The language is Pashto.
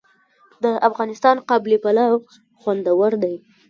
د افغانستان قابلي پلاو خوندور دی